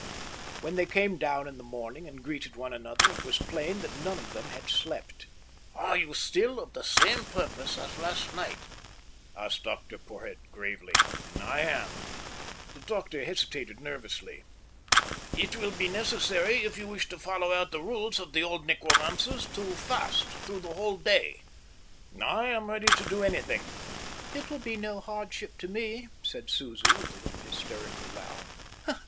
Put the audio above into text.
When they came down in the morning and greeted one another, it was plain that none of them had slept. "Are you still of the same purpose as last night?" asked Dr Porhoët gravely. "I am." The doctor hesitated nervously. "It will be necessary, if you wish to follow out the rules of the old necromancers, to fast through the whole day." "I am ready to do anything." "It will be no hardship to me," said Susie, with a little hysterical laugh.